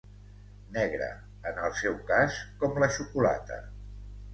Negra, en el seu cas, com la xocolata.